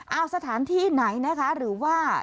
เอาสถานที่ไหนนะคะหรือว่า